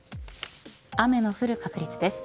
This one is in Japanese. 雨の降る確率です。